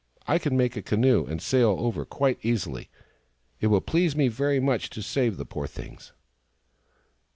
" I can make a canoe and sail over quite easily. It will please me very much to save the poor things."